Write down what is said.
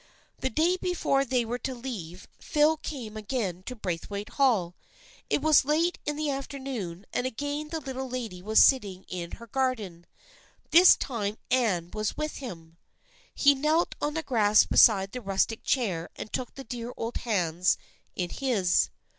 The day before they were to leave, Phil came again to Braithwaite Hall. It was late in the afternoon and again the Little Lady was sitting in her garden. This time Anne was with him. He knelt on the grass beside the rustic chair and took the dear old hands in his.